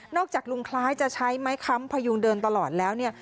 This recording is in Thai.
จากลุงคล้ายจะใช้ไม้ค้ำพยุงเดินตลอดแล้วเนี่ย